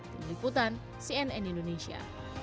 dari liputan cnn indonesia